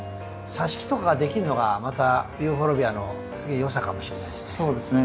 さし木とかができるのがまたユーフォルビアのよさかもしれないですね。